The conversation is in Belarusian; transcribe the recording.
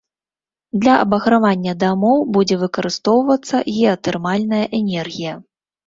Для абагравання дамоў будзе выкарыстоўвацца геатэрмальная энергія.